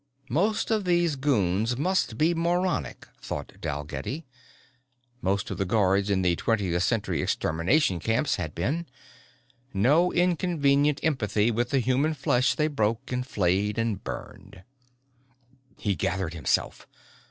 Most of these goons must be moronic, thought Dalgetty. Most of the guards in the twentieth century extermination camps had been. No inconvenient empathy with the human flesh they broke and flayed and burned. He gathered himself.